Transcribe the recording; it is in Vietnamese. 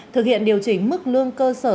thực hiện điều chỉnh mức lương cơ sở